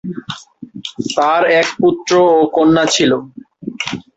তার এক পুত্র ও কন্যা ছিল।